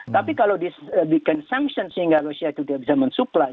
tapi kalau di consumption sehingga rusia itu dia bisa mensupply